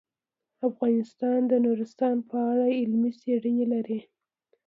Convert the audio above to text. افغانستان د نورستان په اړه علمي څېړنې لري.